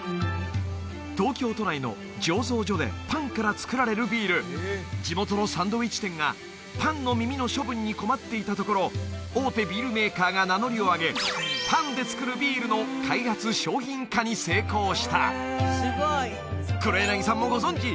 東京都内の醸造所でパンから造られるビール地元のサンドイッチ店がパンの耳の処分に困っていたところ大手ビールメーカーが名乗りを上げパンで作るビールの開発商品化に成功した黒柳さんもご存じ！